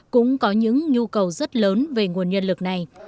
cũng có những nhu cầu rất lớn